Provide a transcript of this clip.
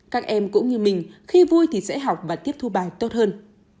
các em cũng như mình khi vui thì sẽ học và tiếp thu bài tốt hơn